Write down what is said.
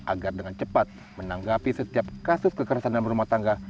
agar dengan cepat menanggapi setiap kasus kekerasan dalam rumah tangga